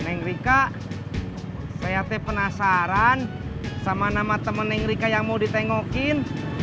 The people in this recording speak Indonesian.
neng rika saya penasaran sama nama temen neng rika yang mau ditengokin